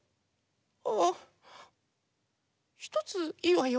ああひとついいわよ。